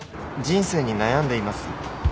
人生に悩んでいます。